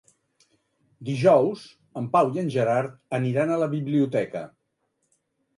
Dijous en Pau i en Gerard aniran a la biblioteca.